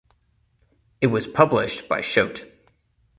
It was published by Schott.